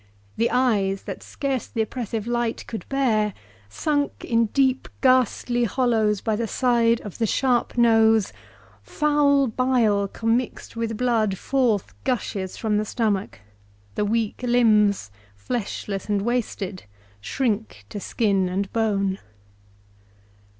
The eyes, that scarce th' oppressive li^ht could bear. Sunk in aeep ghastly hollows by the side Of the sharp nose ; foul bile, commixed with blood, Forth gushes from the stomach ; the weak limbs, Fleshless and wasted, shrink to skin and bone.